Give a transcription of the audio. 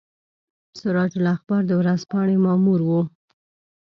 سراج الاخبار د ورځپاڼې مامور وو.